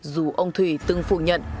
dù ông thùy từng phủ nhận